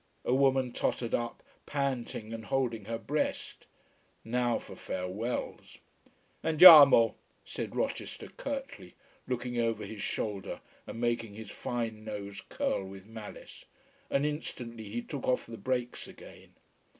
A woman tottered up panting and holding her breast. Now for farewells. "Andiamo!" said Rochester curtly, looking over his shoulder and making his fine nose curl with malice. And instantly he took off the brakes again.